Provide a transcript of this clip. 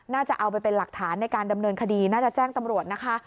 น่าจะเอาไปเป็นหลักฐานในการดำเนินคดีน่าจะแจ้งตำรวจนะคะ